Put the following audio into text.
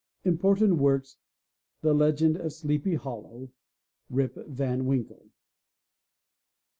Important Works: The Legend of Sleepy Hollow. Rip Van Winkle.